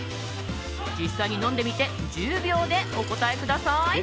実際に飲んでみて１０秒でお答えください。